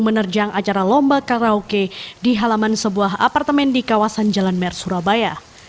menerjang acara lomba karaoke di halaman sebuah apartemen di kawasan jalan mer surabaya